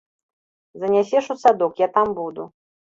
Занясеш у садок, я там буду.